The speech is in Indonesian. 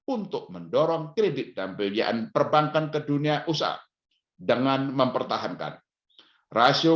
untuk mendorong kredit dan pilihan perbankan ke dunia usaha dengan mempertahankan rasio